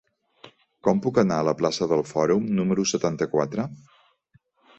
Com puc anar a la plaça del Fòrum número setanta-quatre?